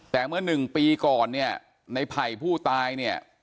แต่เมื่อหนึ่งปีก่อนเนี่ยในไผ่ผู้ตายเนี่ย